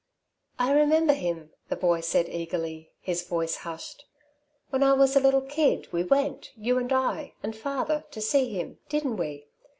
"I remember him," the boy said eagerly, his voice hushed. "When I was a little kid, we went, you, and I, and father, to see him, didn't we?